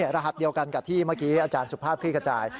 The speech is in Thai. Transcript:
รหัสเดียวกันกับที่เมื่อกี้อาจารย์สุภาพคลี่ขจาย